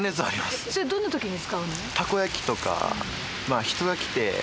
それどんなときに使うの？